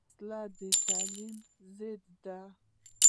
وسله د تعلیم ضد ده